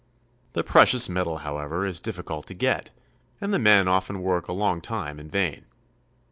The precious metal, however, is difficult to get, and the men often work a long time in vain.